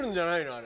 あれ。